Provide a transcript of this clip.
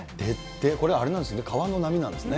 これ、あれなんですね、川の波なんですね。